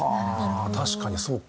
確かにそうか。